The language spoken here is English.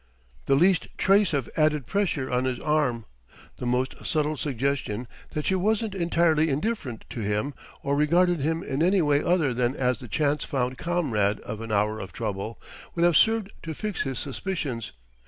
The least trace of added pressure on his arm, the most subtle suggestion that she wasn't entirely indifferent to him or regarded him in any way other than as the chance found comrade of an hour of trouble, would have served to fix his suspicions.